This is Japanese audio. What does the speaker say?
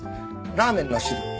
ラーメンの種類。